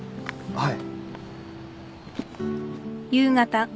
はい。